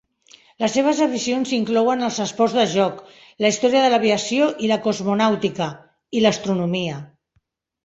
Les seves aficions inclouen els esports de joc, la història de l'aviació i la cosmonàutica i l'astronomia.